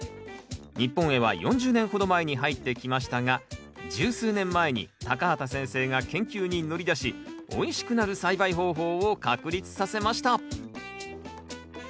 日本へは４０年ほど前に入ってきましたが十数年前に畑先生が研究に乗り出しおいしくなる栽培方法を確立させました。